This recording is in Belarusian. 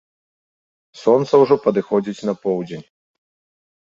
Сонца ўжо падыходзіць на поўдзень.